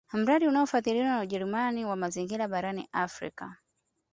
Mradi unaofadhiliwa na Ujerumani wa mazingira barani Afrika